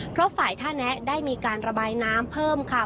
เพราะฝ่ายท่าแนะได้มีการระบายน้ำเพิ่มค่ะ